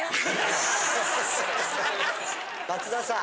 松田さん